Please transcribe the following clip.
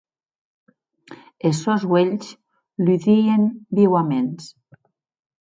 Es sòns uelhs ludien viuaments.